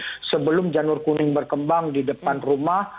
jadi sebelum janur kuning berkembang di depan rumah